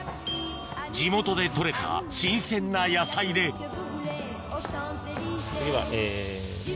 地元で採れた新鮮な野菜で次はえ。